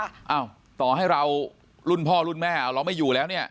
อ้าวต่อให้เรารุ่นพ่อรุ่นแม่เอาเราไม่อยู่แล้วเนี่ย